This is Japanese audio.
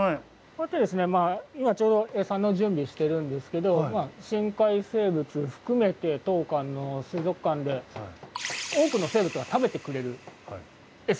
こうやってですね今ちょうど餌の準備してるんですけど深海生物含めて当館の水族館で多くの生物が食べてくれる餌があるんですね。